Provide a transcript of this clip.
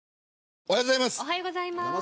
おはようございます。